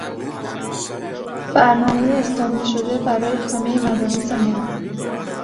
برنامهی استانده شده برای همهی مدارس ما